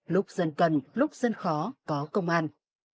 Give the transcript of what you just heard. lúc dân cần lúc dân khó có công an